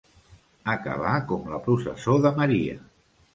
Acabar com la processó de Maria.